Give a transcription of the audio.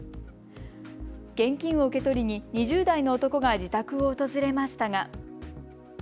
現金を受け取りに２０代の男が自宅を訪れましたが。